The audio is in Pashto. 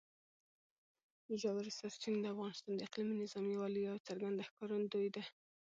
ژورې سرچینې د افغانستان د اقلیمي نظام یوه لویه او څرګنده ښکارندوی ده.